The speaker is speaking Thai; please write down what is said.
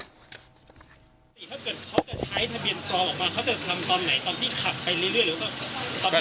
ถ้าเกิดเขาจะใช้ทะเบียนปลอมออกมา